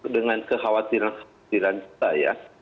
dengan kekhawatiran kekhawatiran kita ya